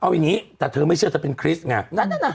เอาอย่างนี้แต่เธอไม่เชื่อเธอเป็นคริสต์ไง